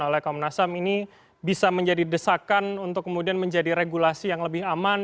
oleh komnas ham ini bisa menjadi desakan untuk kemudian menjadi regulasi yang lebih aman